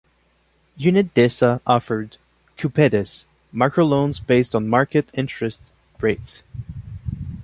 Unit Desa offered 'kupedes' microloans based on market interest rates.